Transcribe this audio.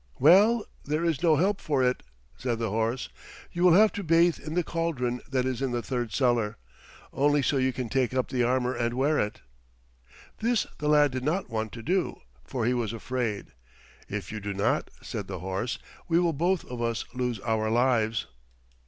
"Well, there is no help for it," said the horse. "You will have to bathe in the caldron that is in the third cellar. Only so can you take up the armor and wear it." This the lad did not want to do, for he was afraid. "If you do not," said the horse, "we will both of us lose our lives."